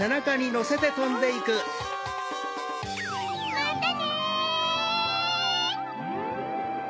またね！